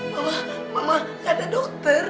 mama mama gak ada dokter